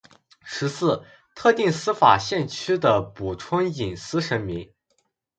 十四、特定司法辖区的补充隐私声明